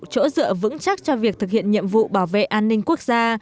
chỗ dựa vững chắc cho việc thực hiện nhiệm vụ bảo vệ an ninh quốc gia